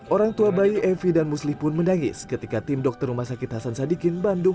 orang tua bayi evi dan musli pun menangis ketika tim dokter rumah sakit hasan sadikin bandung